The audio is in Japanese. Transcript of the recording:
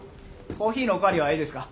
コーヒーのお代わりはええですか？